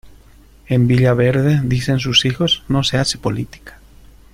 En villaverde dicen sus hijos no se hace política.